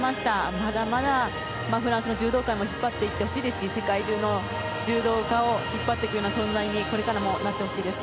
まだまだフランスの柔道界を引っ張ってほしいですし世界中の柔道家を引っ張っていくような存在にこれからもなってほしいです。